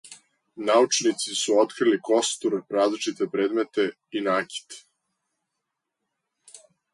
Научници су открили костур, различите предмете и накит.